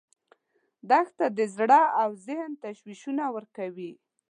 دښته د زړه او ذهن تشویشونه ورکوي.